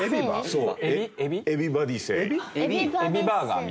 そう。